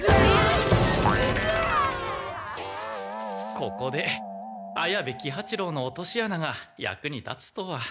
ここで綾部喜八郎の落としあなが役に立つとは。